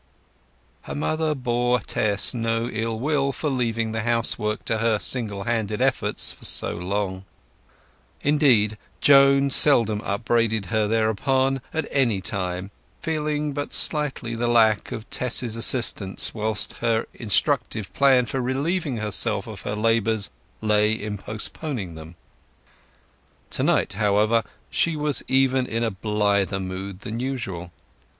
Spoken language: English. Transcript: Her mother bore Tess no ill will for leaving the housework to her single handed efforts for so long; indeed, Joan seldom upbraided her thereon at any time, feeling but slightly the lack of Tess's assistance whilst her instinctive plan for relieving herself of her labours lay in postponing them. To night, however, she was even in a blither mood than usual.